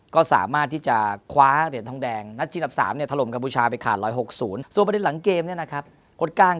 ก็สามารถที่จะคว้าเหรียญทองแดงนัดที่ลับสามถล่มกับบูชาไปขาด๑๖๐